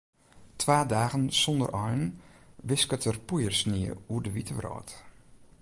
Twa dagen sonder ein wisket der poeiersnie oer de wite wrâld.